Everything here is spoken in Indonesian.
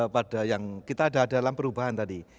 pada yang kita ada dalam perubahan tadi